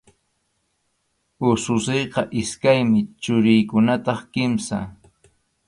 Ususiyqa iskaymi, churiykunataq kimsam.